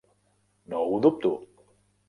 No ho dubto!